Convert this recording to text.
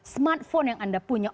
smartphone yang anda punya